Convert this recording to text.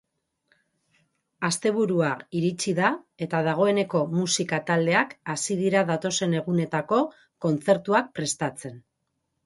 Asteburua iritsi da eta dagoeneko musika taldeak hasi dira datozen egunetako kontzertuak prestatzen.